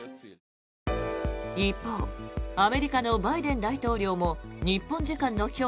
一方アメリカのバイデン大統領も日本時間の今日